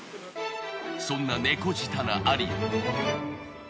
そんな猫舌なありの。